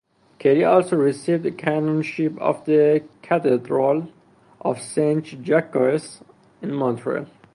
Kelly also received a canonship of the Cathedral of Saint-Jacques in Montreal.